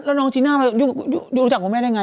อนุทิชน์นันน่ะอยู่รู้จักวังแม่ได้ไง